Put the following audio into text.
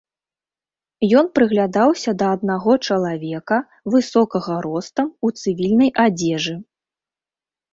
Ён прыглядаўся да аднаго чалавека, высокага ростам, у цывільнай адзежы.